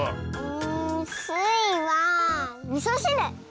んスイはみそしる！